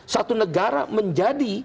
satu negara menjadi